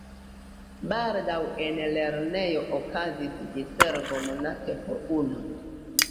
Baldaŭ en la lernejo okazis diservo monate po unu.